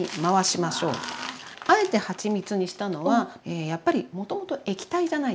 あえてはちみつにしたのはやっぱりもともと液体じゃないですか。